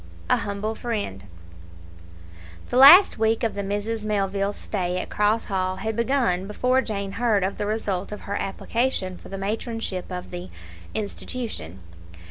A Humble Friend The last week of the Misses Melville's stay at Cross Hall had begun before Jane heard of the result of her application for the matronship of the Institution.